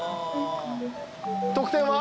得点は？